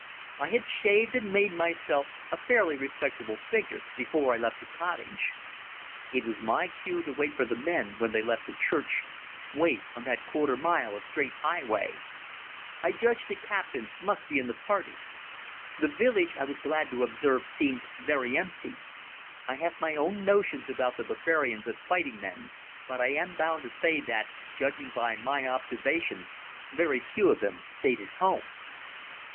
I had shaved and made myself a fairly respectable figure before I left the cottage. It was my cue to wait for the men when they left the church, wait on that quarter mile of straight highway. I judged the captain must be in the party. The village, I was glad to observe, seemed very empty. I have my own notions about the Bavarians as fighting men, but I am bound to say that, judging by my observations, very few of them stayed at home.